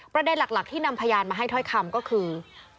ประเด็นหลักที่นำพยานมาให้ถ้อยคำก็คือ